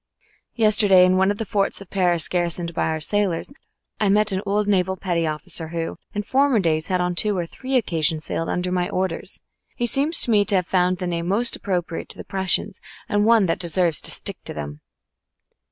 Yesterday in one of the forts of Paris garrisoned by our sailors, I met an old naval petty officer who, in former days, had on two or three occasions sailed under my orders. He seems to me to have found the name most appropriate to the Prussians and one that deserves to stick to them.